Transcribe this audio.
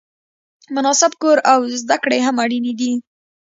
مناسب کور او زده کړې هم اړینې دي.